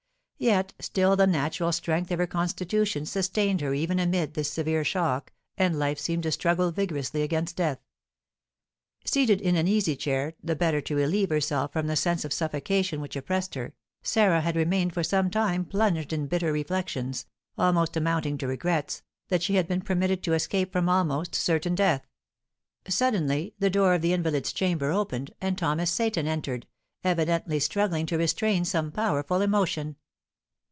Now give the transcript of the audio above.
Yet still the natural strength of her constitution sustained her even amid this severe shock, and life seemed to struggle vigorously against death. Seated in an easy chair, the better to relieve herself from the sense of suffocation which oppressed her, Sarah had remained for some time plunged in bitter reflections, almost amounting to regrets, that she had been permitted to escape from almost certain death. Suddenly the door of the invalid's chamber opened, and Thomas Seyton entered, evidently struggling to restrain some powerful emotion.